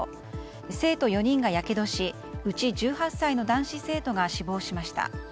生徒４人がやけどしうち１８歳の男子生徒が死亡しました。